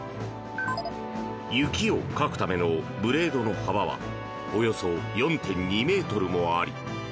雪をかくためのブレードの幅はおよそ４．２ｍもあり。